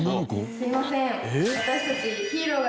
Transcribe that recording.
すみません。